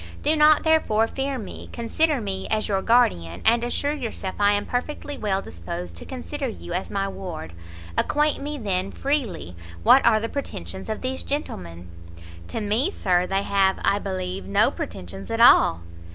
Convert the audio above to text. Do not, therefore, fear me; consider me as your guardian, and assure yourself I am perfectly well disposed to consider you as my ward. Acquaint me, then, freely, what are the pretensions of these gentlemen?" "To me, Sir, they have, I believe, no pretensions at all."